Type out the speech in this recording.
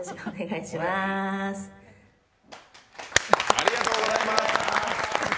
ありがとうございます！